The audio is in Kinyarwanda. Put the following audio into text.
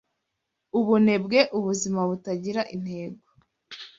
Ubunebwe, ubuzima butagira intego